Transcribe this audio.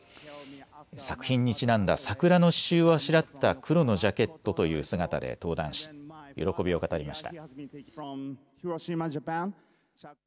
作品にちなんだ桜の刺しゅうをあしらった黒のジャケットという姿で登壇し喜びを語りました。